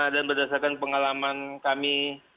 dan berdasarkan pengalaman kami